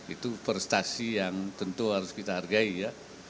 itu prestasi yang tentu harus kita hargai ya